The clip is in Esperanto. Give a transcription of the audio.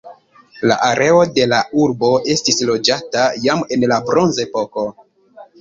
La areo de la urbo estis loĝata jam en la bronzepoko.